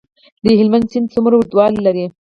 د هلمند سیند څومره اوږدوالی لري؟